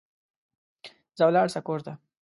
ځه ولاړ سه کور ته